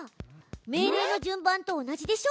命令の順番と同じでしょ。